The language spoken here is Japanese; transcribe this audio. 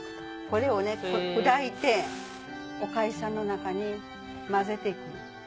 これを砕いておかゆさんの中に混ぜていく。